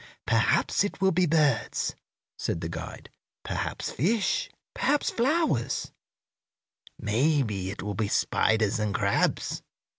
"Perhaps it will be birds," said the guide; "perhaps fish; perhaps flowers; maybe it will be spiders and crabs.